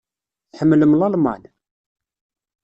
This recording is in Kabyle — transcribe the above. Tḥemmlem Lalman?